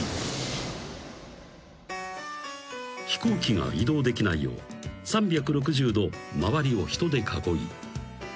［飛行機が移動できないよう３６０度周りを人で囲い］